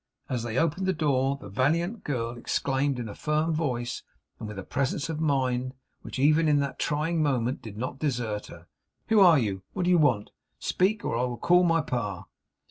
As they opened the door, the valiant girl exclaimed in a firm voice, and with a presence of mind which even in that trying moment did not desert her, 'Who are you? What do you want? Speak! or I will call my Pa.